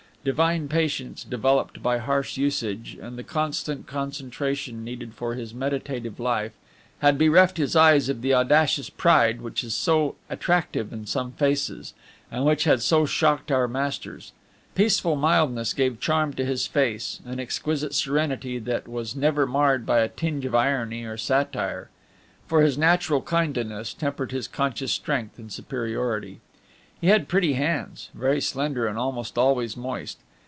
Divine patience, developed by harsh usage, and the constant concentration needed for his meditative life, had bereft his eyes of the audacious pride which is so attractive in some faces, and which had so shocked our masters. Peaceful mildness gave charm to his face, an exquisite serenity that was never marred by a tinge of irony or satire; for his natural kindliness tempered his conscious strength and superiority. He had pretty hands, very slender, and almost always moist.